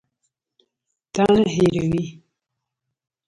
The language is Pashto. تا نه هېروي.